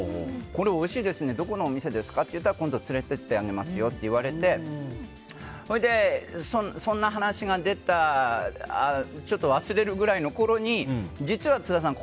これ、おいしいですねどこのお店ですかって言ったら今度連れてってあげますよって言われてそれでそんな話が出てちょっと忘れるぐらいのころに実は津田さん